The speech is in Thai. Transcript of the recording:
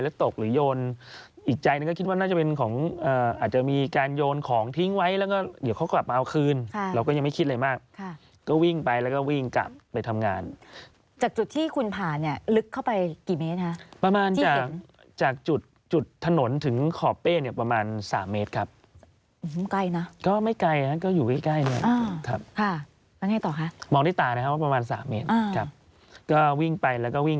แล้วตกหรือยนอีกใจนั้นก็คิดว่าน่าจะเป็นของอ่าอาจจะมีการโยนของทิ้งไว้แล้วก็เดี๋ยวเขากลับมาเอาคืนค่ะเราก็ยังไม่คิดอะไรมากค่ะก็วิ่งไปแล้วก็วิ่งกลับไปทำงานจากจุดที่คุณผ่านเนี่ยลึกเข้าไปกี่เมตรฮะประมาณจากจุดจุดถนนถึงขอบเป้นเนี่ยประมาณสามเมตรครับอื้มใกล้น่ะก็ไม่ไกลฮะก็อยู่